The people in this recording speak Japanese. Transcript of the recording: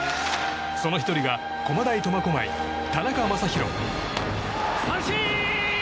その１人が駒大苫小牧田中将大。